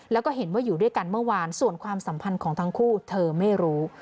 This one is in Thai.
แล้วก็เห็นว่าอยู่ด้วยกันเมื่อวานส่วนความสัมพันธ์ของทั้งคู่เธอไม่รู้